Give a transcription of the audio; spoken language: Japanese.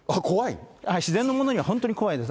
自然のものには本当に怖いです。